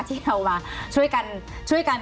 ที่เรามาช่วยกัน